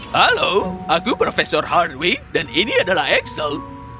halo aku profesor hartwig dan ini adalah axel